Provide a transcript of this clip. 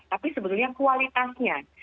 tapi sebetulnya kualitasnya